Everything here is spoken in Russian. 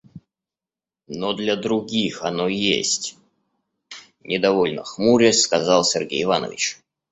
Но для других оно есть, — недовольно хмурясь, сказал Сергей Иванович.